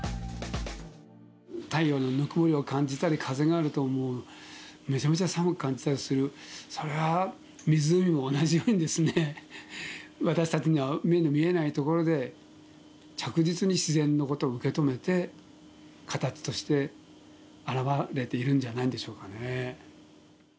太陽のぬくもりを感じたり、風があると、もうめちゃめちゃ寒く感じたりする、そりゃ、湖も同じように、私たちの目に見えないところで着実に自然のことを受け止めて、形として表れているんじゃないでしょうかね。